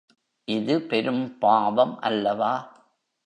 இது பெரும் பாவம் அல்லவா?